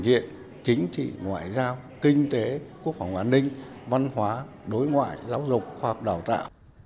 diện chính trị ngoại giao kinh tế quốc phòng an ninh văn hóa đối ngoại giáo dục khoa học đào tạo